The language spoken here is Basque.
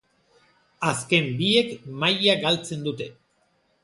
Azken biek maila galtzen dute.